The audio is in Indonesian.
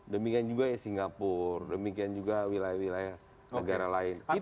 demikian juga ya singapura demikian juga wilayah wilayah negara lain